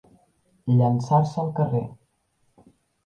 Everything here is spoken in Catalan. Llançar-se al carrer.